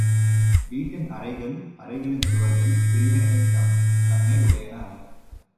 வீட்டில் அறைகள் அறைகளின் சுவர்கள் பிரிவினைத் தன்மை உடையன அல்ல.